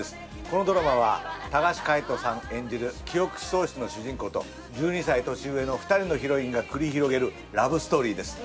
このドラマは橋海人さん演じる記憶喪失の主人公と１２歳年上の２人のヒロインが繰り広げるラブストーリーです。